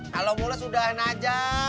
kalau mules udah aja